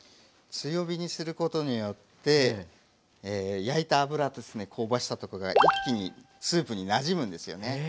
強火にすることによって焼いた油ですね香ばしさとかが一気にスープになじむんですよね。